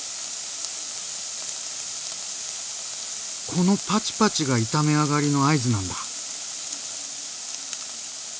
このパチパチが炒め上がりの合図なんだ。